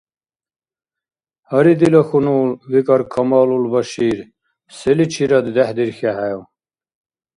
– Гьари, дила хьунул, – викӀар Камалул Башир, – селичирад дехӀдирхьехӀев?